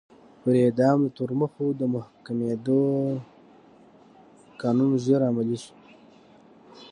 پر اعدام د تورمخو د محکومېدو قانون ژر عملي شو.